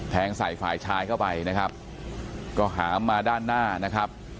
แทงใส่ฝ่ายชายเข้าไปนะครับก็หามมาด้านหน้านะครับ